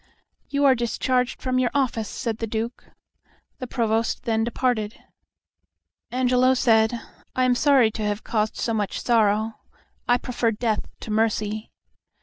"You are discharged from your office," said the Duke. The Provost then departed. Angelo said, "I am sorry to have caused such sorrow. I prefer death to mercy."